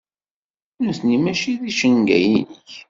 Nutni mačči d icenga-inek.